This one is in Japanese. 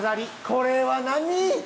これは何？